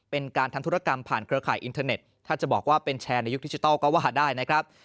เป็นการทำธุรกรรมผ่านเครือข่ายอินเทอร์เน็ตถ้าจะบอกว่าเป็นแชร์ในยุคดิจิทัลก็ว่าได้นะครับ